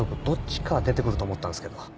どっちかは出て来ると思ったんすけど。